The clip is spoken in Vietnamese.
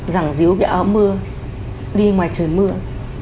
rằng díu kẹo mưa đi ngoài trời mưa